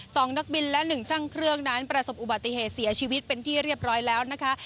นักบินและหนึ่งช่างเครื่องนั้นประสบอุบัติเหตุเสียชีวิตเป็นที่เรียบร้อยแล้วนะคะ